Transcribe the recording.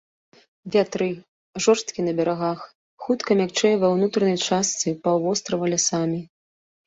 Вятры, жорсткія на берагах, хутка мякчэе ва ўнутранай частцы паўвострава лясамі.